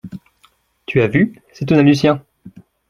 Tu as vu, s’étonna Lucien